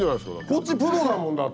こっちプロだもんだって！